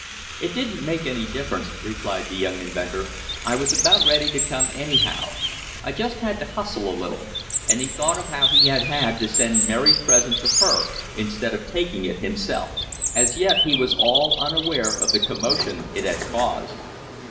"It didn't make any difference," replied the young inventor. "I was about ready to come anyhow. I just had to hustle a little," and he thought of how he had had to send Mary's present to her instead of taking it himself. As yet he was all unaware of the commotion it had caused.